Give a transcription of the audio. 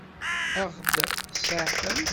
Ad ɣ-seɛfent?